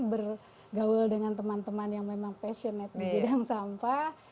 bergaul dengan teman teman yang memang passionate di bidang sampah